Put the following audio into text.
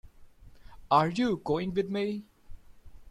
are you going with me?